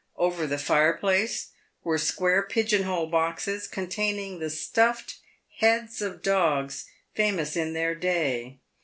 Over the fireplace were square pigeon hole boxes, containing the stuffed heads of dogs famous in their day.